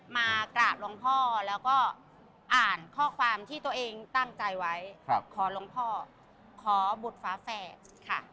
มากราบหลวงพ่อแล้วก็อ่านข้อความที่ตัวเองตั้งใจไว้ขอหลวงพ่อขอบุตรฝาแฝดค่ะ